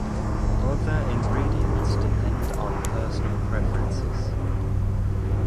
Other ingredients depend on personal preferences.